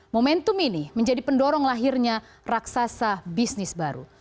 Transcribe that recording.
momentum ini menjadi pendorong lahirnya raksasa bisnis baru